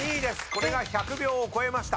これが１００秒を超えました。